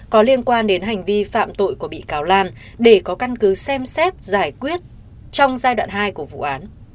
có liên quan đến hành vi phạm tội của bị cáo lan để có căn cứ xem xét giải quyết trong giai đoạn hai của vụ án